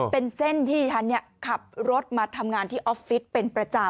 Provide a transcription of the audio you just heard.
เป็นเส้นที่ฉันขับรถมาทำงานที่ออฟฟิศเป็นประจำ